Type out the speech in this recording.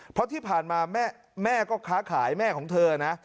เพราะที่ผ่านมาแม่ก็ค้าขายแม่ของเธอนะ